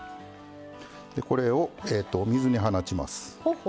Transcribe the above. これをお水に放ちます。